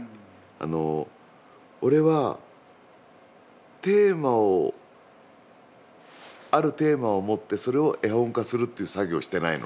あの俺はテーマをあるテーマを持ってそれを絵本化するっていう作業をしてないのね。